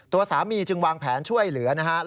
ตัวสามีจึงวางแผนช่วยเหลือนะครับ